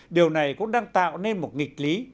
điều này cũng đang tạo nên một nghịch lý